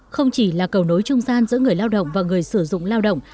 không chỉ là cầu nối trung gian giữa người lao động và người sử dụng lao động